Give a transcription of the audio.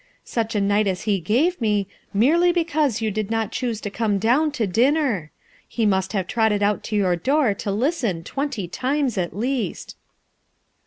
Such a night as he gave me, merely because you did not choose to come down to dinner! He must have trotted out to your door to listen twenty times, at least.